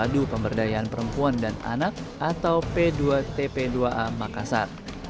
adu pemberdayaan perempuan dan anak atau p dua tp dua a makassar